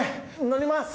乗ります。